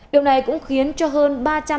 điều này cũng khiến cho hơn